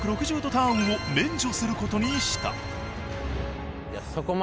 ターンを免除することにした。